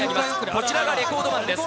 こちらがレコードマンです。